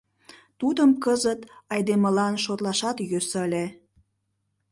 Тудым кызыт айдемылан шотлашат йӧсӧ ыле.